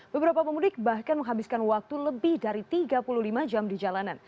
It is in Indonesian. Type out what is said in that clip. beberapa pemudik bahkan menghabiskan waktu lebih dari tiga puluh lima jam di jalanan